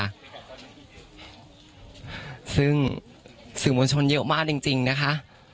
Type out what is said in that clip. ยังสื่อมน้ำชนเยอะมากจริงนะคะ